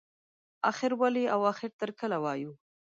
اخر ولې او اخر تر کله وایو.